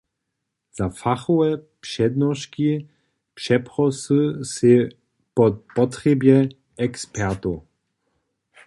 Za fachowe přednoški přeprosy sej po potrjebje ekspertow.